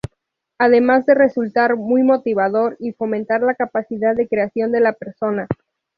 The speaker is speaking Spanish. Además de resultar muy motivador y fomentar la capacidad de creación de la persona.